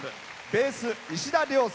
ベース、石田良典。